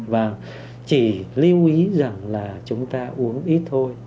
và chỉ lưu ý rằng là chúng ta uống ít thôi